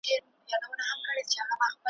ډنبار ډېر نېستمن وو `